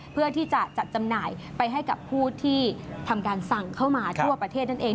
เพื่อที่จะจัดจำหน่ายไปให้กับผู้ที่ทำการสั่งเข้ามาทั่วประเทศนั่นเอง